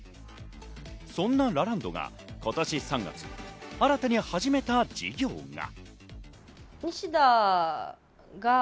そんなラランドが今年３月、新たに始めた事業が。